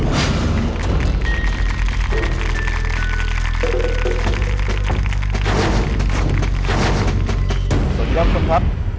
สวัสดีครับคุณผู้ชมครับ